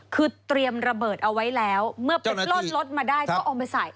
คือเตรียมระเบิดเอาไว้แล้วเมื่อลอดรถมาได้ก็เอาไปใส่